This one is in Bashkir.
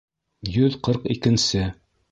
Йөҙ ҡырҡ икенсе